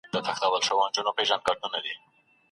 مشهوره ورزشکاران هم د ستنو کارول مني.